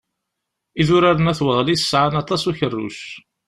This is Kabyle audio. Idurar n At Weɣlis sɛan aṭas n ukerruc.